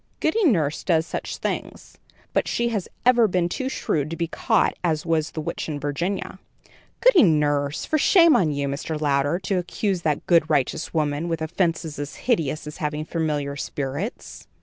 "Goody Nurse does such things; but she has ever been too shrewd to be caught as was the witch in Virginia." "Goody Nurse! For shame on you, Mr. Louder, to accuse that good, righteous woman with offences as heinous as having familiar spirits."